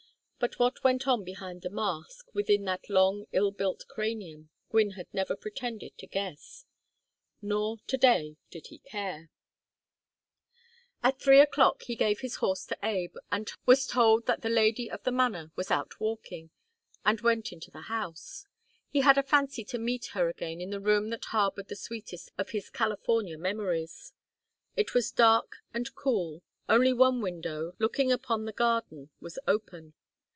But what went on behind that mask, within that long ill built cranium, Gwynne had never pretended to guess. Nor, to day, did he care. At three o'clock he gave his horse to Abe, was told that the lady of the manor was out walking, and went into the house. He had a fancy to meet her again in the room that harbored the sweetest of his California memories. It was dark and cool. Only one window, looking upon the garden, was open.